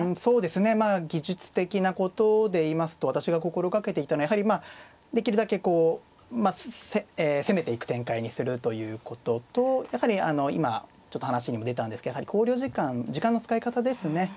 まあ技術的なことで言いますと私が心掛けていたのはやはりまあできるだけ攻めていく展開にするということとやはり今ちょっと話にも出たんですけど考慮時間時間の使い方ですね。